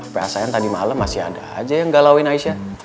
rasanya tadi malem masih ada aja yang galauin aisha